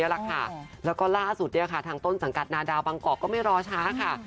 แล้วก็ล่าสุดเนี่ยค่ะทางต้นสังกัดนาดาวบางกอกก็ไม่รอช้าค่ะ